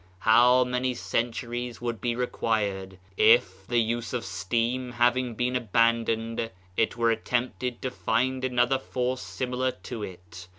How many centuries would be required if, the use of steam having been aban doned, it were attempted to find another force similar to it.